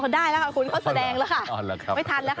ได้แล้วค่ะคุณเขาแสดงแล้วค่ะไม่ทันแล้วค่ะ